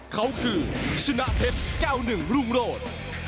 เขาคือชนะเพชร๙๑รุ่งโรศ